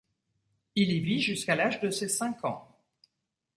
Il y vit jusqu'à l'âge de ses cinq ans.